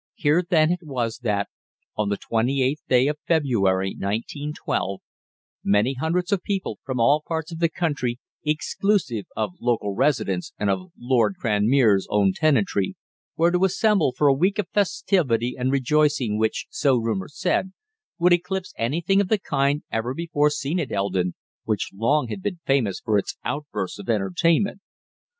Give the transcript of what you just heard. Here, then, it was that, on the 28th day of February, 1912, many hundreds of people from all parts of the country, exclusive of local residents and of Lord Cranmere's own tenantry, were to assemble for a week of festivity and rejoicing which, so rumour said, would eclipse anything of the kind ever before seen at Eldon, which long had been famous for its "outbursts" of entertainment.